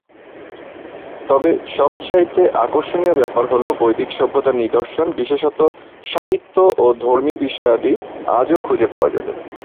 তবে সব চাইতে আকর্ষনীয় ব্যাপার হল বৈদিক সভ্যতার নিদর্শন, বিশেষতঃ সাহিত্য ও ধর্মী বিষয়াদি আজও খুজে পাওয়া যাবে।